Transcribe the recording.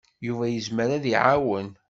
Yuba yezmer ad iɛawen.